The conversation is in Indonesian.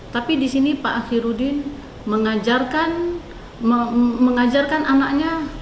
tapi di sini pak akhirudin mengajarkan mengajarkan anaknya